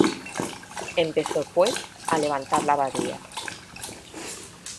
Empezó, pues, a levantar la abadía.